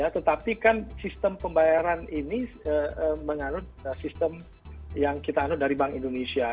tetapi kan sistem pembayaran ini menganut sistem yang kita anut dari bank indonesia